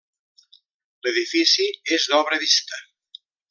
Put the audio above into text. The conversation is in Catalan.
L'edifici és d'obra vista.